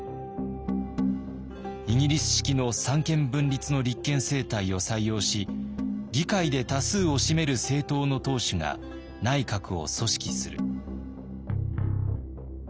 「イギリス式の三権分立の立憲政体を採用し議会で多数を占める政党の党首が内閣を組織する」。